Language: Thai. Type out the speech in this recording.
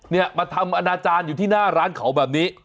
เนี่ยมาทำอนาจารย์อยู่ที่หน้าร้านเขาแบบนี้